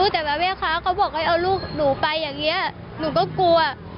แต่แบบแม่ค้าเขาบอกให้เอาลูกหนูไปอย่างนี้หนูก็กลัว